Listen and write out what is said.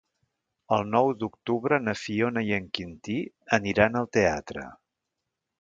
El nou d'octubre na Fiona i en Quintí aniran al teatre.